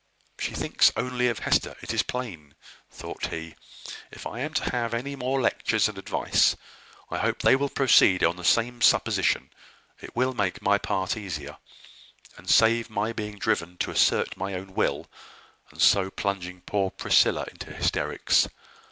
"She thinks only of Hester, it is plain," thought he. "If I am to have any more lectures and advice, I hope they will proceed on the same supposition: it will make my part easier, and save my being driven to assert my own will, and so plunging poor Priscilla into hysterics.